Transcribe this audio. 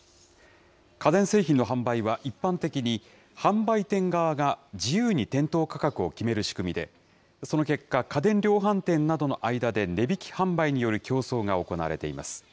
家電製品の販売は一般的に販売店側が自由に店頭価格を決める仕組みで、その結果、家電量販店などの間で値引き販売による競争が行われています。